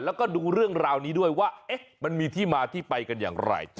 แล้วก็ดูเรื่องราวนี้ด้วยว่ามันมีที่มาที่ไปกันอย่างไร